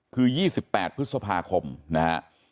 คือ๒๘พฤษภาคมนะฮะ